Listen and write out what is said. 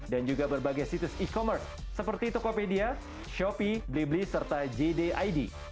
dan juga berbagai situs e commerce seperti tokopedia shopee blibli serta jdid